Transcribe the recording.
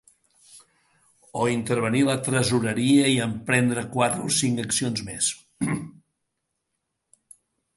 O intervenir la tresoreria i emprendre quatre o cinc accions més.